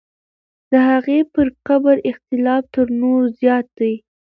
د هغې پر قبر اختلاف تر نورو زیات دی.